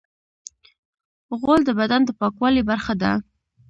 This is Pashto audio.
غول د بدن د پاکوالي برخه ده.